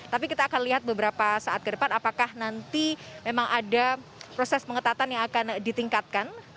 tapi kita akan lihat beberapa saat ke depan apakah nanti memang ada proses pengetatan yang akan ditingkatkan